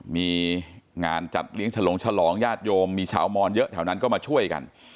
มีงานจัดเลี้ยงฉลงฉลองญาติโยมมีชาวมอนเยอะแถวนั้นก็มาช่วยกัน